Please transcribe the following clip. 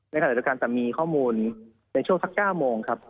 ขณะเดียวกันจะมีข้อมูลในช่วงสัก๙โมงครับ